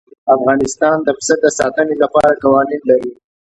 افغانستان د پسه د ساتنې لپاره قوانین لري.